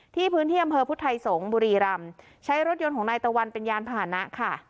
พื้นที่อำเภอพุทธไทยสงศ์บุรีรำใช้รถยนต์ของนายตะวันเป็นยานพาหนะค่ะ